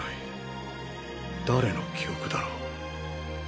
誰の記憶だろう？